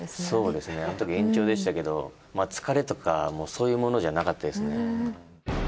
そうですねあのとき延長でしたけど疲れとかそういうものじゃなかったですね。